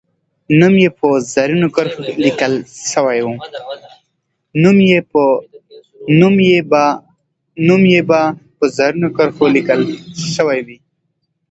نوم یې به په زرینو کرښو لیکل سوی وي.